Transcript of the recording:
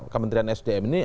kementerian sdm ini